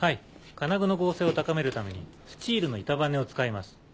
金具の剛性を高めるためにスチールの板バネを使います。